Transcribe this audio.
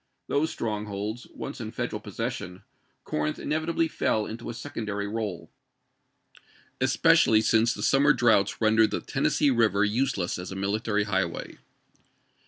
Those strongholds once in Federal possession, Corinth inevitably fell into a secondary role, especially since the summer droughts rendered the Tennessee River useless as a military highway.